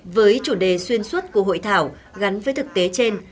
với chủ đề xuyên suốt của hội thảo gắn với thực tế trên